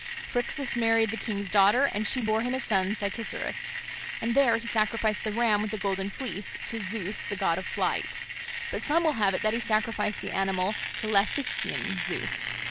Phrixus married the king's daughter, and she bore him a son Cytisorus. And there he sacrificed the ram with the golden fleece to Zeus the God of Flight; but some will have it that he sacrificed the animal to Laphystian Zeus.